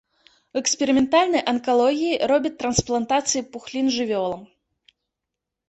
У эксперыментальнай анкалогіі робяць трансплантацыі пухлін жывёлам.